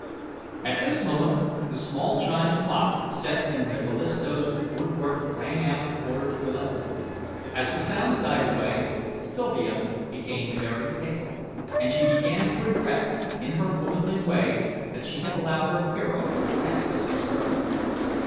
At this moment the small chime clock set in the Callisto's wood work rang out quarter to eleven. As the sounds died away, Sylvia became very pale, and began to regret in her womanly way that she had allowed her hero to attempt this experiment.